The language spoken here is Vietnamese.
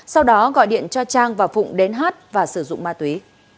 sau đó gọi điện cho trang và phụng đến hát và sử dụng ma túy